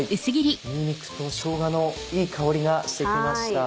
にんにくとしょうがのいい香りがして来ました。